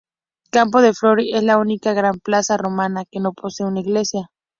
Campo de' Fiori es la única gran plaza romana que no posee una iglesia.